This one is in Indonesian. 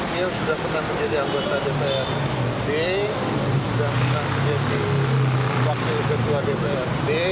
dia sudah pernah menjadi anggota dprd sudah pernah menjadi wakil ketua dprd